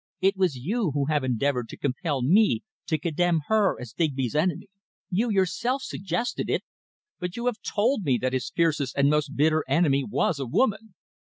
It was you who have endeavoured to compel me to condemn her as Digby's enemy. You yourself suggested it!" "But you have told me that his fiercest and most bitter enemy was a woman!"